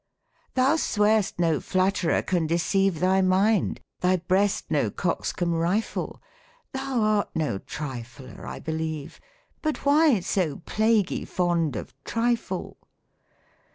" Thou swear'st no flatterer can deceive Thy mind, — thy breast no coxcomb r>Qe ; Thou art no trifler, I believe. But why so plaguy fond of trifle